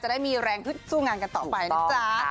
ได้มีแรงฮึดสู้งานกันต่อไปนะจ๊ะ